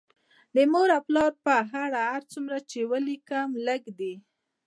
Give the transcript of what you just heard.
د مور او پلار په اړه چې هر څومره ولیکم لږ دي